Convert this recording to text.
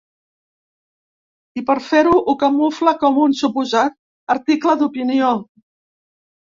I, per fer-ho, ho camufla com un suposat article d’opinió.